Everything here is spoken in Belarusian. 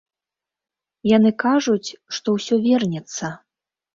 Яны кажуць, што ўсё вернецца.